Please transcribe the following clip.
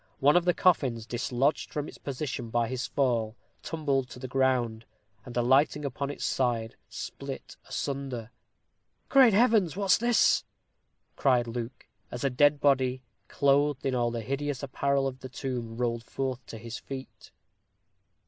One of the coffins, dislodged from its position by his fall, tumbled to the ground, and, alighting upon its side, split asunder. "Great Heavens! what is this?" cried Luke, as a dead body, clothed in all the hideous apparel of the tomb, rolled forth to his feet.